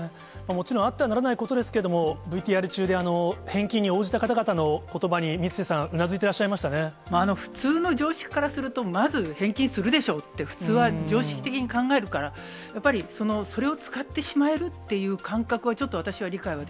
もちろんあってはならないことですけれども、ＶＴＲ中で返金に応じた方々のことばに三屋さん、うなずいていら普通の常識からすると、まず返金するでしょうって、普通は常識的に考えるから、やっぱりそれを使ってしまえるっていう感覚はちょっと私は理解は